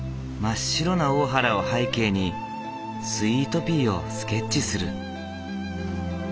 真っ白な大原を背景にスイートピーをスケッチする。